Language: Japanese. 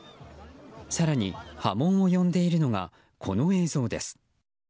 更に、波紋を呼んでいるのがこの映像です。